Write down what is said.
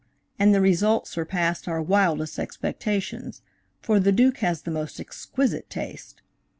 And the result surpassed our wildest expectations, for the Duke has the most exquisite taste.